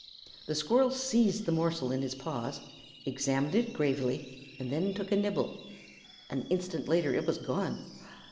The squirrel seized the morsel in his paws, examined it gravely, and then took a nibble. An instant later it was gone.